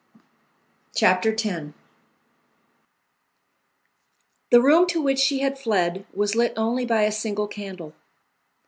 Chapter X The room to which she had fled was lit only by a single candle.